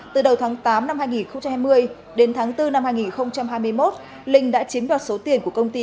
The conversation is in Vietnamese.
từ đầu tháng tám năm hai nghìn hai mươi đến tháng bốn năm hai nghìn hai mươi một linh đã chiếm đoạt số tiền của công ty